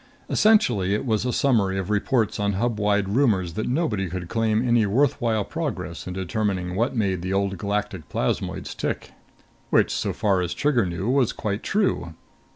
Essentially it was a summary of reports on Hubwide rumors that nobody could claim any worthwhile progress in determining what made the Old Galactic plasmoids tick. Which, so far as Trigger knew, was quite true.